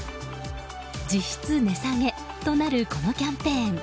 実質値下げとなるこのキャンペーン。